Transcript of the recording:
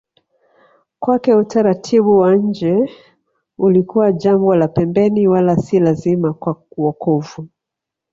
Kwake utaratibu wa nje ulikuwa jambo la pembeni wala si lazima kwa wokovu